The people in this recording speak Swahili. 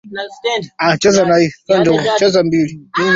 kutokana na matukio ya afrika ya kaskazini kwa kweli misri imesikitisha